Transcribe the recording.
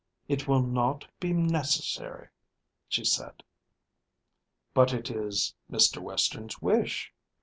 "It will not be necessary," she said. "But it is Mr. Western's wish."